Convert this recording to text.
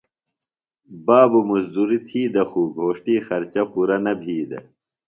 بابو مُزدُریۡ تھی دےۡ خُو گھوݜٹی خرچہ پُرہ نہ بھی دےۡ۔